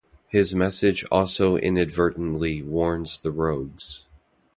His message also inadvertently warns the Rogues.